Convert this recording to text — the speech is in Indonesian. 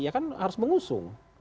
ya kan harus mengusung